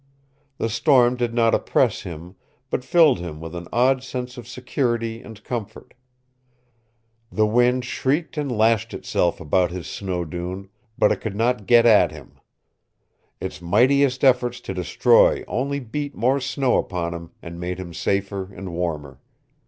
The storm did not oppress him, but filled him with an odd sense of security and comfort. The wind shrieked and lashed itself about his snow dune, but it could not get at him. Its mightiest efforts to destroy only beat more snow upon him, and made him safer and warmer.